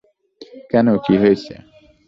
কেন কী হয়েছে?